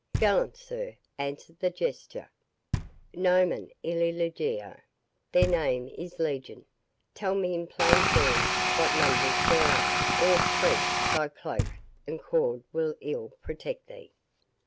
"Gallant sir," answered the Jester, "'nomen illis legio', their name is legion." "Tell me in plain terms what numbers there are, or, priest, thy cloak and cord will ill protect thee."